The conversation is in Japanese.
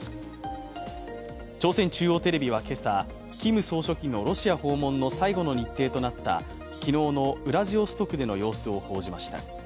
朝鮮中央テレビは今朝、キム総書記のロシア訪問の最後の日程となった昨日のウラジオストクでの様子を報じました。